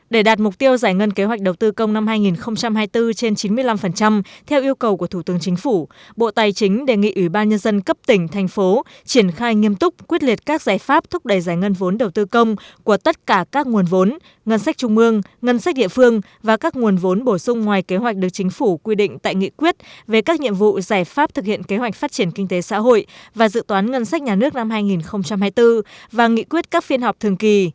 để đạt mục tiêu giải ngân kế hoạch đầu tư công năm hai nghìn hai mươi bốn trên chín mươi năm theo yêu cầu của thủ tướng chính phủ bộ tài chính đề nghị ủy ban nhân dân cấp tỉnh thành phố triển khai nghiêm túc quyết liệt các giải pháp thúc đẩy giải ngân vốn đầu tư công của tất cả các nguồn vốn ngân sách trung mương ngân sách địa phương và các nguồn vốn bổ sung ngoài kế hoạch được chính phủ quy định tại nghị quyết về các nhiệm vụ giải pháp thực hiện kế hoạch phát triển kinh tế xã hội và dự toán ngân sách nhà nước năm hai nghìn hai mươi bốn và nghị quyết các phiên họp thường kỳ